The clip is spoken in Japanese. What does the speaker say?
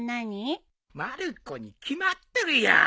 まる子に決まっとるよ。